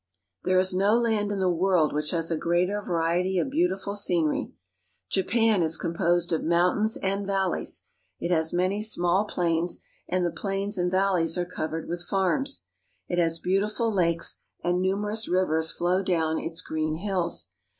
There is no land in the world which has a greater variety of beautiful scenery. Japan is composed of mountains and valleys. It has many small plains, and the plains and valleys are covered with farms. It has beautiful lakes, and numerous rivers flow down its green hills.